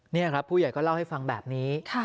นี่ครับผู้ใหญ่ก็เล่าให้ฟังแบบนี้